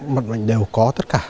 mặt bệnh đều có tất cả